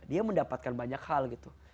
dia mendapatkan banyak hal gitu